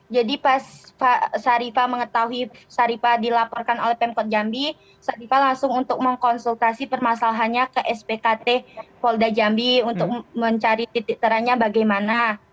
jadi pas syarifah mengetahui syarifah dilaporkan oleh pmkop jambi syarifah langsung untuk mengkonsultasi permasalahannya ke spkt polda jambi untuk mencari titik teranya bagaimana